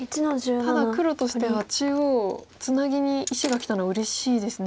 ただ黒としては中央をツナギに石がきたのはうれしいですね。